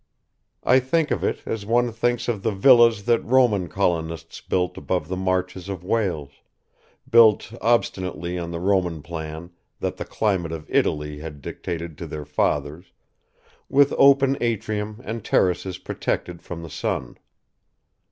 I think of it as one thinks of the villas that Roman colonists built above the marches of Wales, built obstinately on the Roman plan that the climate of Italy had dictated to their fathers, with open atrium and terraces protected from the sun.